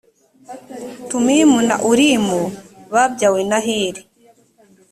tumimu na urimu babyawe na heli